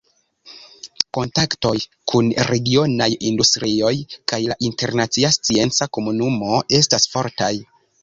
Kontaktoj kun regionaj industrioj kaj la internacia scienca komunumo estas fortaj.